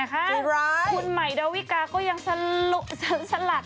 คุณใหม่ดาวิกาก็ยังสลัด